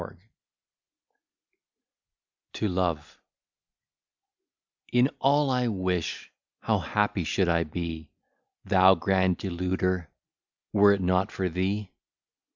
B._] TO LOVE In all I wish, how happy should I be, Thou grand Deluder, were it not for thee!